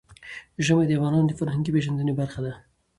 ژمی د افغانانو د فرهنګي پیژندنې برخه ده.